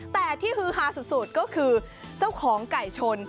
แต่ที่ฮือฮาสุดก็คือเจ้าของไก่ชน